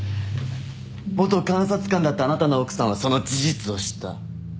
元監察官だったあなたの奥さんはその事実を知った。